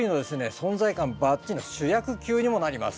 存在感バッチリの主役級にもなります。